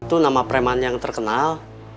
itu nama preman yang terkenal